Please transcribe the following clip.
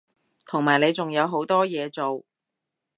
同埋你仲有好多嘢做